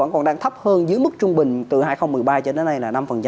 cho đến nay là năm